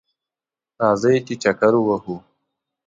راځئ چه چکر ووهو